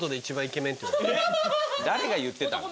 誰が言ってたの？